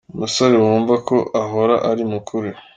Umusore wumva ko ahora ari mu kuri .